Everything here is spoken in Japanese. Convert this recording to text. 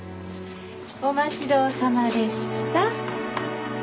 お待ちどおさまでした。